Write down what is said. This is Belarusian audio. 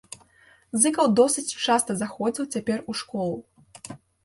Зыкаў досыць часта заходзіў цяпер у школу.